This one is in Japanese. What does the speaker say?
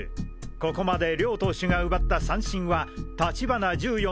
ここまで両投手が奪った三振は立花１４。